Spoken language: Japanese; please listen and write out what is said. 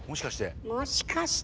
もしかして。